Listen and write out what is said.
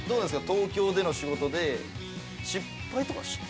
東京での仕事で失敗とかしてます？